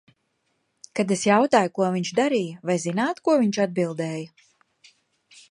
Kad es jautāju, ko viņš darīja, vai zināt, ko viņš atbildēja?